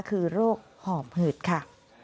คือโรคหอบหืดค่ะ